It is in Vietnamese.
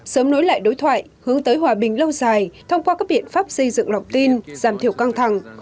sớm nối lại đối thoại hướng tới hòa bình lâu dài thông qua các biện pháp xây dựng lọc tin giảm thiểu căng thẳng